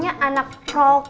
f tampak sendirian